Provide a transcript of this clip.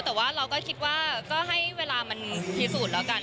แต่ว่าเราก็คิดว่าก็ให้เวลามันพิสูจน์แล้วกัน